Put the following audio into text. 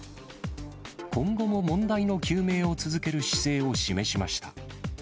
今後も問題の究明を続ける姿勢を示しました。